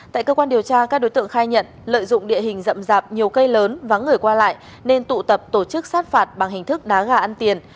tại cơ quan điều tra các đối tượng khai nhận lợi dụng địa hình rậm rạp nhiều cây lớn vắng người qua lại nên tụ tập tổ chức sát phạt bằng hình thức đá gà ăn tiền